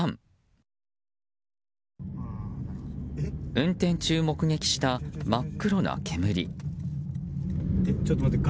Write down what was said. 運転中、目撃した真っ黒な煙。